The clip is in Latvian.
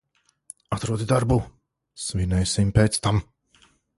Atrodi darbu, svinēsim pēc tam.